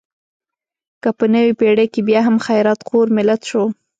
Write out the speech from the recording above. که په نوې پېړۍ کې بیا هم خیرات خور ملت شو.